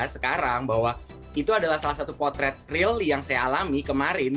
sekarang bahwa itu adalah salah satu potret real yang saya alami kemarin